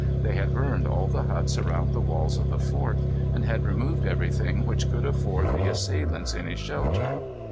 They had burned all the huts around the walls of the fort, and had removed everything which could afford the assailants any shelter.